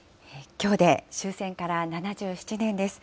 きょうで終戦から７７年です。